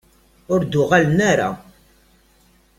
Ur d-uɣalen ara.